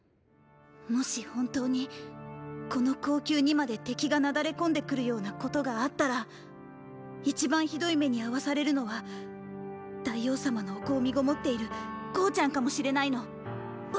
もし本当にこの後宮にまで敵がなだれ込んでくるようなことがあったら一番ひどい目に遭わされるのは大王様の御子を身籠っている向ちゃんかもしれないの。！